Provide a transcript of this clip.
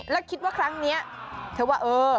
แล้วคิดว่าครั้งนี้เธอว่าเออ